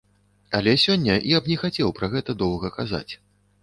Але сёння я б не хацеў пра гэта доўга казаць.